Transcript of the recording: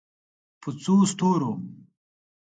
په څو ستورو